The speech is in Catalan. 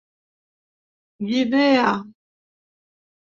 Guinea.